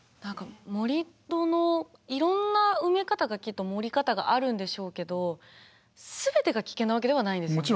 盛り土のいろんな埋め方がきっと盛り方があるんでしょうけど全てが危険なわけではないんですよね？